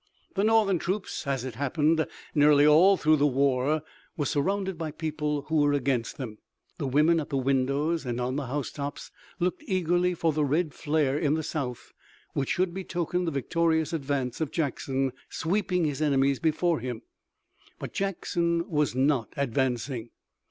The Northern troops, as it happened, nearly all through the war, were surrounded by people who were against them. The women at the windows and on the house tops looked eagerly for the red flare in the South which should betoken the victorious advance of Jackson, sweeping his enemies before him. But Jackson was not advancing.